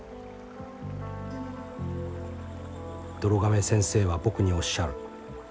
どろ亀先生は僕におっしゃる。